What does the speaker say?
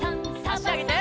あしあげて。